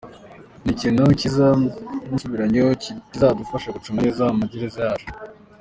Ni ikintu cyiza nsubiranyeyo kizadufasha gucunga neza amagereza yacu.